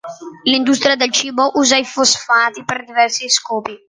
L'industria del cibo usa i fosfati per diversi scopi.